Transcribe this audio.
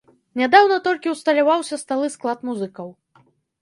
Нядаўна толькі усталяваўся сталы склад музыкаў.